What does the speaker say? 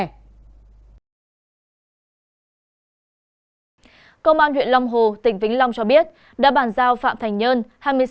công an huyện long hồ tỉnh vĩnh long cho biết đã bàn giao phạm thành nhơn